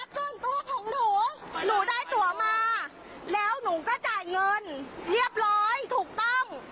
คืออะไรคะ